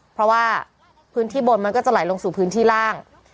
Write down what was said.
เพราะว่าพื้นที่บนมันก็จะไหลลงสู่พื้นที่ล่าง